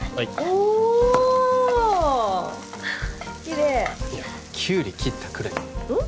おおきれいいやキュウリ切ったくらいでうん？